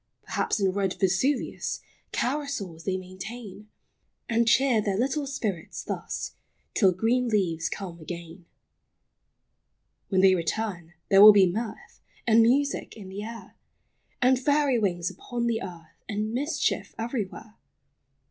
Perhaps, in red Vesuvius Carousals they maintain ; And cheer their little spirits thus, Till green leaves come again. When they return, there will be mirth And music in the air, And fairy wings upon the earth, And mischief everywhere.